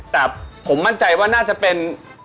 แต่ผมมั่นใจว่าน่าจะเป็น